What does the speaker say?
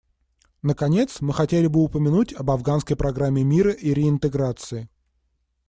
Наконец, мы хотели бы упомянуть об Афганской программе мира и реинтеграции.